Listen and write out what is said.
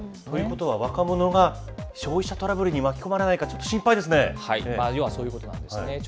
ということは、若者が消費者トラブルに巻き込まれないか、ち要はそういうことなんですね。